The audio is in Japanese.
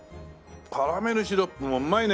カラメルシロップもうまいね！